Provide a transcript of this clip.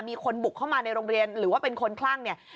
มีคนบุกเข้ามาในโรงเรียนหรือว่าเป็นคนคลั่งเนี่ย